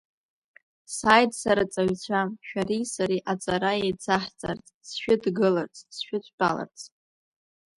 Сааит сара, аҵаҩцәа, шәареи сареи аҵара еицаҳҵарц, сшәыдгыларц, сшәыдтәаларц.